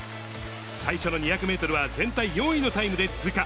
最初の２００メートルは全体４位のタイムで通過。